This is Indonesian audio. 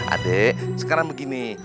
adek sekarang begini